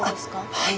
はい。